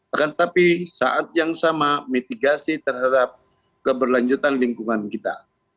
akan tetapi saat yang sama mitigasi terhadap keberlanjutan lingkungan kita